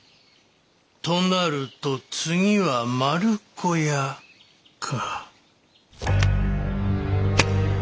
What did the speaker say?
となると次は丸子屋か。